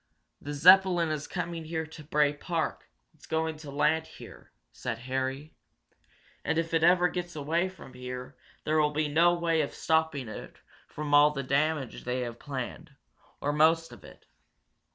"The Zeppelin is coming here to Bray Park it's going to land here," said Harry. "And if it ever gets away from here there will be no way of stopping it from doing all the damage they have planned, or most of it.